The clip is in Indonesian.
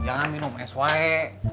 jangan minum es warai